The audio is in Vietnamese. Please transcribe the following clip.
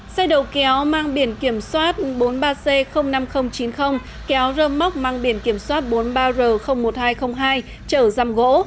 xe đầu kéo mang biển kiểm soát bốn mươi ba c năm nghìn chín mươi kéo rơm móc mang biển kiểm soát bốn mươi ba r một nghìn hai trăm linh hai chở răm gỗ